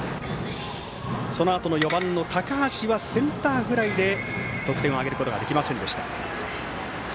そのあと、４番の高橋はセンターフライで得点を挙げることはできませんでした。